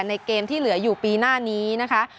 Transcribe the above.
ในเกมที่เหลืออยู่ปีหน้านี้นะคะ